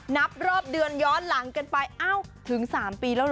นับรอบเดือนย้อนหลังกันไปเอ้าถึง๓ปีแล้วเห